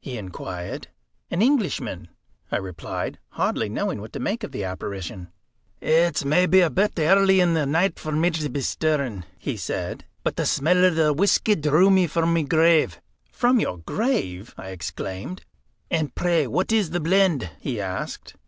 he inquired. "An Englishman," I replied, hardly knowing what to make of the apparition. "It's mabbe a bit airly in the nicht for me to be stirring," he said; "but the smell of the whisky drew me from my grave." "From your grave!" I exclaimed. "And pray, what is the blend?" he asked.